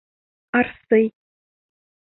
Арсый.